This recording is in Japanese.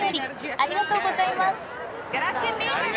ありがとうございます。